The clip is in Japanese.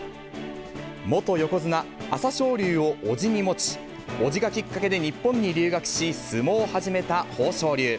元横綱・朝青龍をおじに持ち、叔父がきっかけて日本に留学し、相撲を始めた豊昇龍。